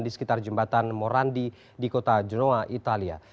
di sekitar jembatan morandi di kota genoa italia